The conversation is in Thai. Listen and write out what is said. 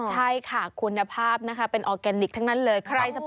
ใช่ค่ะคุณภาพนะคะเป็นออร์แกนิคทั้งนั้นเลย